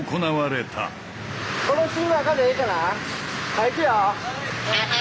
はいいくよ！